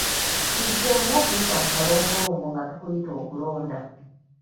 Tuzzeemu okuyita mu kalombolombo nga tukuyita okulonda.